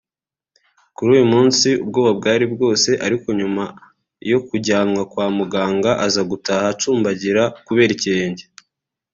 Kuri uyu munsi ubwoba bwari bwose ariko nyuma yo kujyanwa kwa muganga aza gutaha acumbagira kubera ikirenge